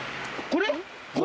これ？